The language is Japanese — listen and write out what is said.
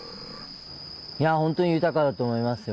いや本当に豊かだと思いますよ。